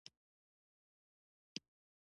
غریب د دعاو مثال دی